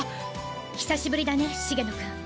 久しぶりだね茂野くん！